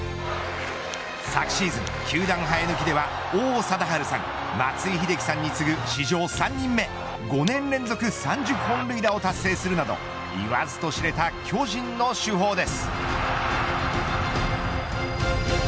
昨シーズン、球団生え抜きでは王貞治さん、松井秀喜さんに次ぐ史上３人目５年連続３０本塁打を達成するなど言わずと知れた巨人の主砲です。